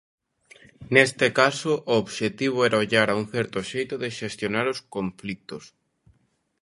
Neste caso, o obxectivo era ollar a un certo xeito de xestionar os conflitos.